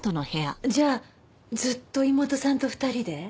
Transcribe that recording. じゃあずっと妹さんと２人で？